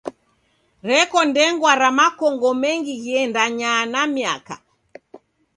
Reko ndengwa ra makongo mengi ghiendanyaa na miaka.